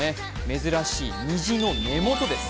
珍しい虹の根元です。